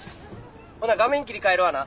「ほな画面切り替えるわな」。